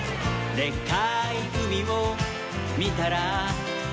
「でっかいうみをみたら」